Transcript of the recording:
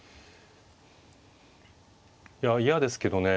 いや嫌ですけどね